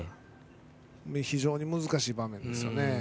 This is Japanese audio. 非常に難しい場面ですね。